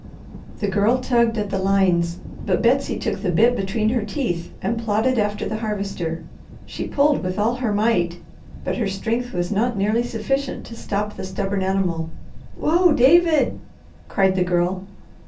The Girl tugged at the lines; but Betsy took the bit between her teeth, and plodded after the Harvester. She pulled with all her might, but her strength was not nearly sufficient to stop the stubborn animal. "Whoa, David!" cried the Girl.